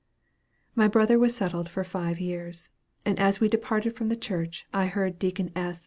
My brother was settled for five years, and as we departed from the church, I heard Deacon S.